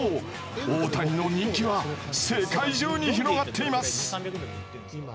大谷の人気は世界中に広がっています。